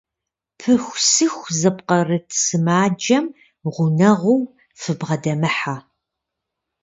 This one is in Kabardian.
Пыхусыху зыпкъырыт сымаджэм гъунэгъуу фыбгъэдэмыхьэ.